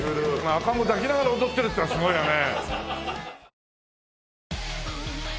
赤子抱きながら踊ってるってのがすごいよね。